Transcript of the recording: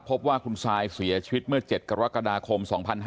พบว่าคุณซายเสียชีวิตเมื่อ๗กรกฎาคม๒๕๕๙